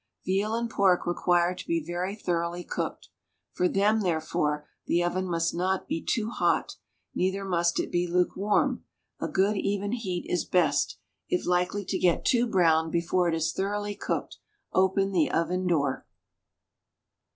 Veal and pork require to be very thoroughly cooked. For them, therefore, the oven must not be too hot, neither must it be lukewarm, a good even heat is best; if likely to get too brown before it is thoroughly cooked, open the oven door.